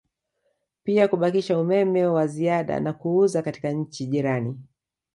Pia kubakisha umeme wa ziada na kuuza katika nchi jirani